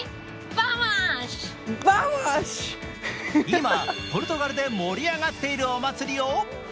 今、ポルトガルで盛り上がっているお祭りを「ＴＨＥＴＩＭＥ，」